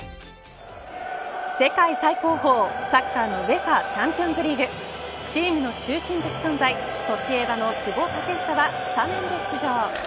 世界最高峰サッカーのＵＥＦＡチャンピオンズリーグチームの中心的存在ソシエダの久保建英はスタメンで出場。